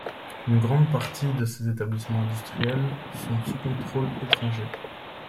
Une grande partie de ces établissements industriels sont sous contrôle étranger.